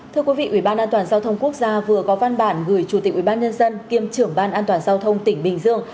thưa quý vị ủy ban an toàn giao thông quốc gia vừa có văn bản gửi chủ tịch ủy ban nhân dân kiêm trưởng ban an toàn giao thông tỉnh bình dương